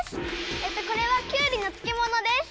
えっとこれはきゅうりのつけものです。